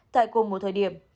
tại cùng một thời điểm